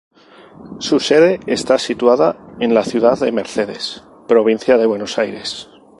Su sede está situada en la ciudad de Mercedes, provincia de Buenos Aires.